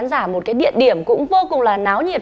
giả một cái địa điểm cũng vô cùng là náo nhiệt